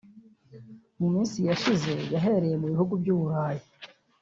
mu minsi yashize yahereye mu bihugu by’u Burayi